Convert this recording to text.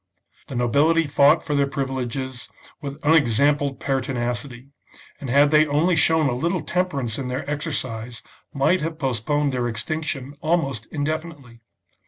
The nobility fought for their privileges with unex ampled pertinacity, and had they only shown a little temperance in their exercise, might have postponed their extinction almost indefinitely.